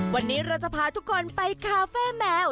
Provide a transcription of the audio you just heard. วันนี้เราจะพาทุกคนไปคาเฟ่แมว